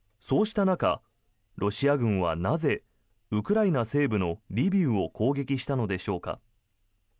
そうした中、ロシア軍はなぜ、ウクライナ西部のリビウを攻撃したのでしょうか。